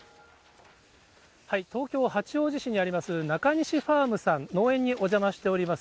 東京・八王子市にあります、なかにしファームさん、農園にお邪魔しています。